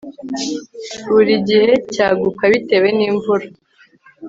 Buri gihe cyaguka bitewe nimvura